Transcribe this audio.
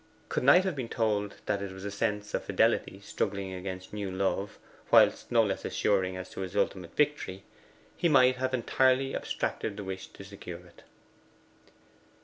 Could Knight have been told that it was a sense of fidelity struggling against new love, whilst no less assuring as to his ultimate victory, it might have entirely abstracted the wish to secure it.